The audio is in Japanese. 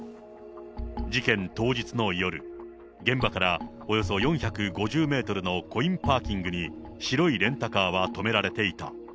事件当日の夜、現場からおよそ４５０メートルのコインパーキングに白いレンタカーは止められていた。